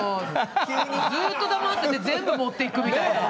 ずっと黙ってて全部持っていくみたいな。